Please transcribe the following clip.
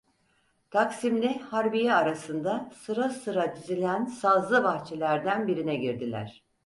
Taksim’le Harbiye arasında sıra sıra dizilen sazlı bahçelerden birine girdiler.